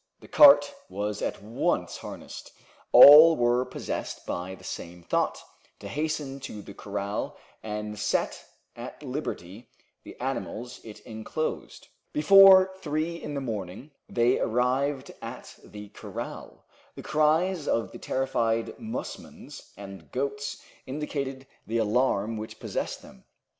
The cart was at once harnessed. All were possessed by the same thought to hasten to the corral and set at liberty the animals it enclosed. Before three in the morning they arrived at the corral. The cries of the terrified musmons and goats indicated the alarm which possessed them.